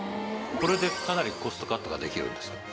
これでかなりコストカットができるんですか？